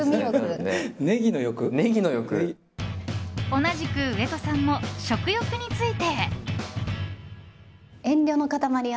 同じく上戸さんも食欲について。